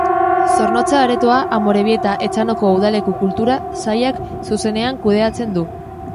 Zornotza Aretoa Amorebieta-Etxanoko Udaleko Kultura Sailak zuzenean kudeatzen du.